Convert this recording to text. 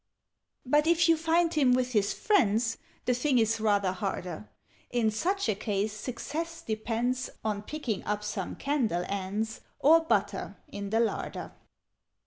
"But if you find him with his friends, The thing is rather harder. In such a case success depends On picking up some candle ends, Or butter, in the larder.